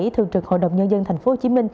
thường trực hội đồng nhân dân tp hcm